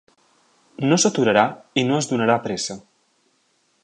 No s'aturarà i no es donarà pressa.